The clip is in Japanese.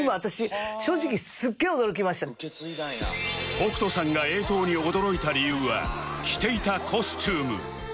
北斗さんが映像に驚いた理由は着ていたコスチューム